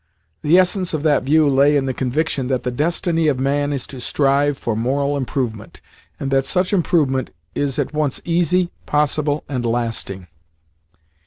The essence of that view lay in the conviction that the destiny of man is to strive for moral improvement, and that such improvement is at once easy, possible, and lasting.